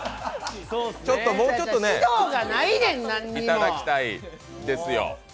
もうちょっとね、いただきたいですよ。